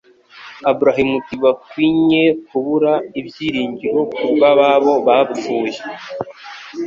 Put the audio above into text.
Abarihmtibakwinye kubura ibyiringiro kubw'ababo bapfuye.